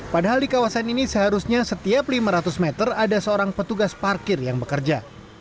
padahal di kawasan ini seharusnya setiap lima ratus meter ada seorang petugas parkir yang bekerja